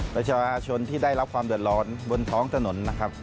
ประชาชนที่ได้รับความเดือดร้อนบนท้องถนนนะครับ